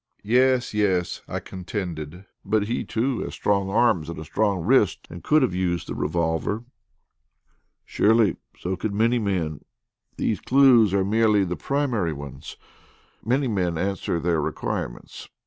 "Yes, yes," I contended; "but he too has strong arms and a strong wrist and could have used the revolver." "Surely! So could many men. These clues are merely the primary ones. Many men answer their requirements.